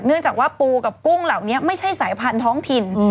เนื่องจากว่าปูกับกุ้งเหล่านี้ไม่ใช่สายพันธุ์ท้องถิ่น